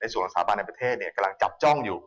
ส่วนหัวสามารถในประเทศกำลังจับจ้องอยู่